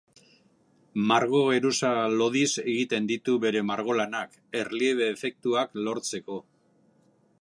Margo-geruza lodiz egiten ditu bere margolanak, erliebe efektuak lortzeko.